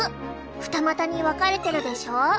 二股に分かれてるでしょ？